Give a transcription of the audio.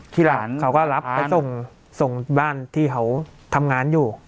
ที่หลานเขาก็รับไปส่งส่งบ้านที่เขาทำงานอยู่